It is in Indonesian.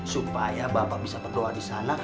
supaya bapak bisa berdoa disana